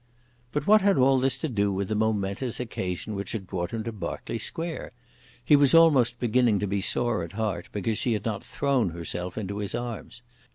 But what had all this to do with the momentous occasion which had brought him to Berkeley Square? He was almost beginning to be sore at heart because she had not thrown herself into his arms.